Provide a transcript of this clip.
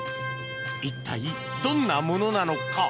一体、どんなものなのか？